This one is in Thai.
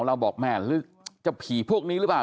เราบอกแม่หรือจะผีพวกนี้หรือเปล่า